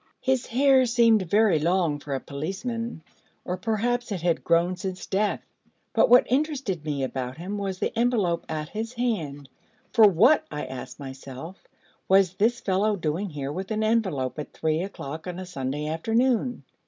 _' His hair seemed very long for a policeman, or perhaps it had grown since death; but what interested me about him, was the envelope at his hand: for 'what,' I asked myself, 'was this fellow doing here with an envelope at three o'clock on a Sunday afternoon?'